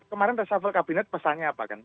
kemarin reshuffle kabinet pesannya apa kan